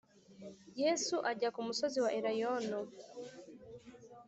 Yesu ajya ku musozi wa Elayono